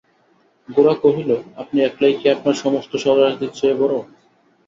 গোরা কহিল, আপনি একলাই কি আপনার সমস্ত স্বজাতির চেয়ে বড়ো?